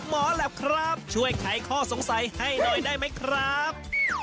หมอแหลปครับช่วยไขข้อสงสัยให้หน่อยได้ไหมครับ